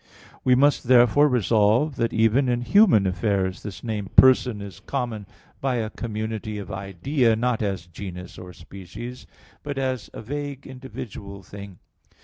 We must therefore resolve that even in human affairs this name "person" is common by a community of idea, not as genus or species, but as a vague individual thing.